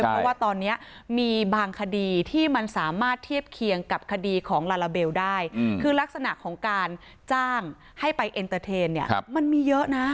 เพราะว่าตอนนี้มีบางคดีที่มันสามารถเทียบเคียงกับคดีของลาลาเบลได้คือลักษณะของการจ้างให้ไปเอ็นเตอร์เทนเนี่ยมันมีเยอะนะ